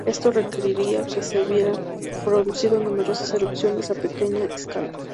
Esto requeriría que se hubieran producido numerosas erupciones a pequeña escala.